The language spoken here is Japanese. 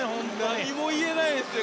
何も言えないですね